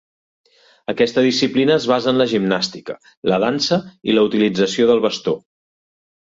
Aquesta disciplina es basa en la gimnàstica, la dansa i la utilització del bastó.